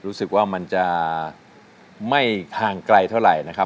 รู้สึกว่ามันจะไม่ห่างไกลเท่าไหร่นะครับ